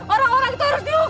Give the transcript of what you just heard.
orang orang itu harus diubah